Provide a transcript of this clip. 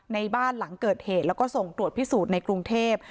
ในบ้านหลังเกิดเหตุแล้วก็ส่งตรวจพิสูจน์ในกรุงเทพ